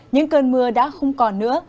những cơn mưa đã không còn nữa